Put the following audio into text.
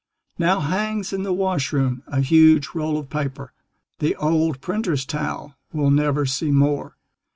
Now hangs in the washroom a huge roll of paper The old printer's towel we'll never see more.